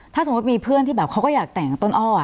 ถ้าสมมุติมีเพื่อนที่แบบเขาก็อยากแต่งต้นอ้อ